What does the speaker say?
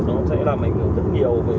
nó sẽ làm ảnh hưởng rất nhiều